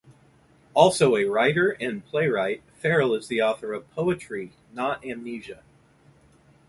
Also a writer and playwright, Farrell is the author of "Poetry Not Amnesia".